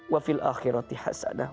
wafil akhirati hasanah